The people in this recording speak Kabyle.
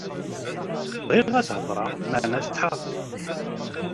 Bɣiɣ ad s-heḍṛeɣ meɛna setḥaɣ-tt.